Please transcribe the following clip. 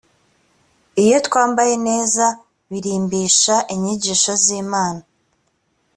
iyo twambaye neza birimbisha inyigisho z’imana